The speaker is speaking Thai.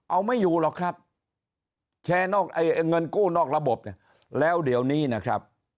เอาไม่อยู่หรอกครับแชร์นอกเงินกู้นอกระบบเนี่ยแล้วเดี๋ยวนี้นะครับ